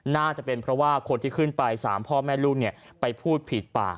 น่าจะเป็นเพราะว่าคนที่ขึ้นไป๓พ่อแม่ลูกไปพูดผิดปาก